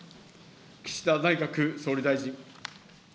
岸田内閣総理大臣。